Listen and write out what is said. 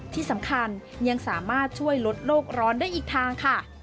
ที่สำคัญยังสามารถช่วยลดโลกร้อนได้อีกทางค่ะ